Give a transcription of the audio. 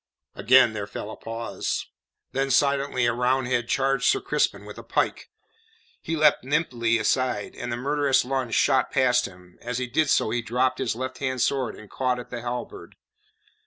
Again there fell a pause. Then silently a Roundhead charged Sir Crispin with a pike. He leapt nimbly aside, and the murderous lunge shot past him; as he did so he dropped his left hand sword and caught at the halberd.